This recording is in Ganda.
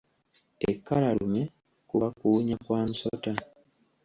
Ekkalalume kuba kuwunya kwa musota.